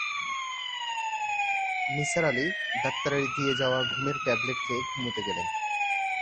নিসার আলি ডাক্তারের দিয়ে-যাওয়া ঘুমের ট্যাবলেট খেয়ে ঘুমুতে গেলেন।